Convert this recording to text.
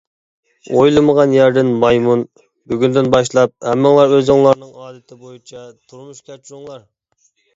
ئويلىمىغان يەردىن مايمۇن: بۈگۈندىن باشلاپ، ھەممىڭلار ئۆزۈڭلارنىڭ ئادىتى بويىچە تۇرمۇش كەچۈرۈڭلار!